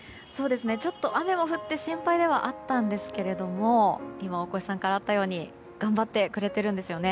ちょっと雨も降って心配ではあったんですが今、大越さんからあったように頑張ってくれているんですね。